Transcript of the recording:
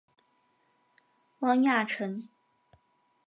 汪亚尘。